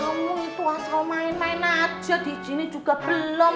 kamu itu asal main main aja disini juga belum